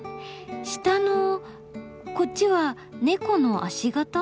下のこっちは猫の足形？